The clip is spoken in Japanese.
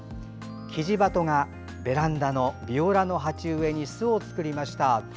キジバトがベランダのビオラの鉢植えに巣を作りました。